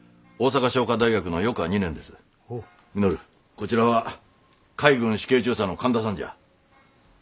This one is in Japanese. こちらは海軍主計中佐の神田さんじゃ。